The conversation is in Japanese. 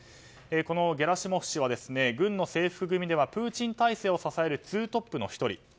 このゲラシモフ氏は軍の制服組ではプーチン体制を支える２トップの１人。